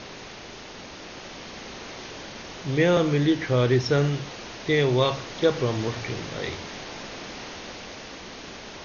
میاں مِلی ڇھاریسن تیں وخ کیہ پرمُݜٹِم ائی